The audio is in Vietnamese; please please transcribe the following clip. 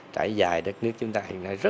trải dài đất nước chúng ta